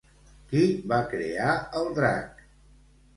Qui va crear el drac?